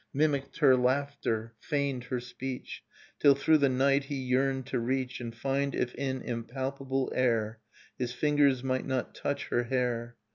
Mimicked her laughter, feigned her speech. Till through the night he yearned to reach And find if in impalpable air His fingers might not touch her hair.